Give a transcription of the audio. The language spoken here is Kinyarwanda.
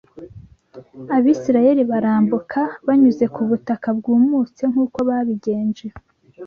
Abisirayeli barambuka banyuze ku butaka bwumutse nk’uko babigenje